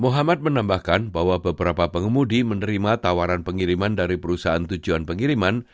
muhammad menambahkan bahwa beberapa pengemudi menerima tawaran pengiriman dari perusahaan tujuan pengiriman